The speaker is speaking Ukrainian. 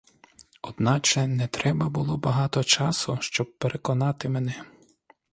Одначе не треба було багато часу, щоб переконати мене.